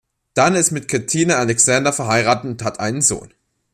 Dunn ist mit Katina Alexander verheiratet und hat einen Sohn.